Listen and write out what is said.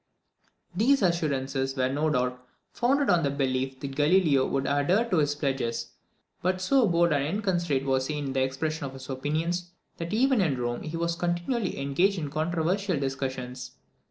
These assurances were no doubt founded on the belief that Galileo would adhere to his pledges; but so bold and inconsiderate was he in the expression of his opinions, that even in Rome he was continually engaged in controversial discussions.